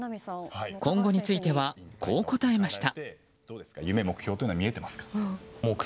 今後については、こう答えました。